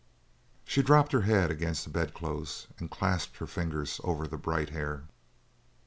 She dropped her head against the bedclothes and clasped her fingers over the bright hair.